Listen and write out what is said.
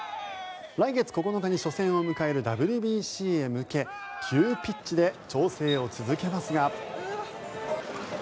来月９日に初戦を迎えるＷＢＣへ向け急ピッチで調整を続けますが。